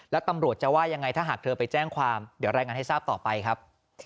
แล้วตำรวจจะว่ายังไงถ้าหากเธอไปแจ้งความเดี๋ยวรายงานให้ทราบต่อไปครับ